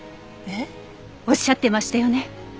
えっ？おっしゃってましたよね。